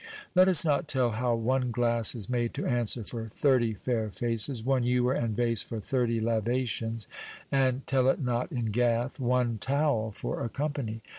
Let us not tell how one glass is made to answer for thirty fair faces, one ewer and vase for thirty lavations; and tell it not in Gath! one towel for a company!